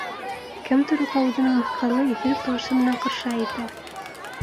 Кемдер уға үҙенең мыҫҡыллы иҫерек тауышы менән ҡаршы әйтә: